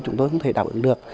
chúng tôi không thể đảo hiểm được